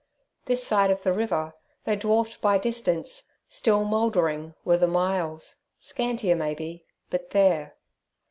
This side of the river, though dwarfed by distance, still mouldering, were the myalls, scantier maybe, but there.